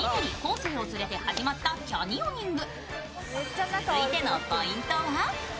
生を連れて始まったキャニオニング。